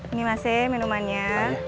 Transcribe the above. ini masih minumannya